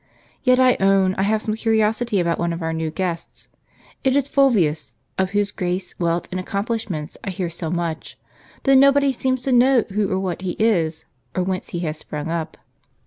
Yet I own I have some curiosity about one of our new guests. It is Fulvius, of whose grace, wealth, and accomplishments I hear so much ; though nobody seems to know who or what he is, or whence he has sprung up."